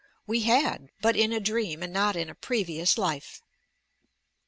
We had, but in a dream, and not in a previous life!